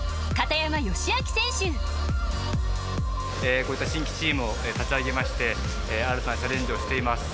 こういった新規チームを立ち上げまして新たなチャレンジをしています。